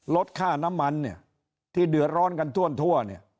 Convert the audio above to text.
ลดค่าน้ำมันที่เดือดร้อนกันทั่ว